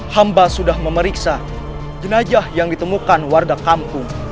hamba sudah memeriksa jenajah yang ditemukan warga kampung